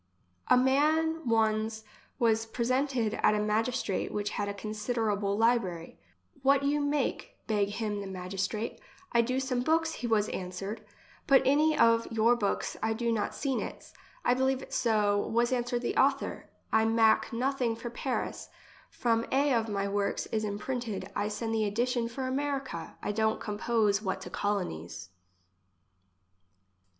A man one's was presented at a magistrate which had a considerable library. " What you make?" beg him the magistrate. " I do some books," he was answered. " But any of your books I did not seen its. — I believe it so, was answered the author ; I mak nothing for Paris. From a of my works is imprinted, I send the edition for America ; I don't compose what to colonies."